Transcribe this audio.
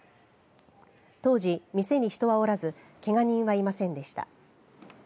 当時、店に人はおらずけが人はいませんでした。